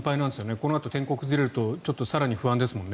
このあと天候が崩れるとちょっと更に不安ですもんね。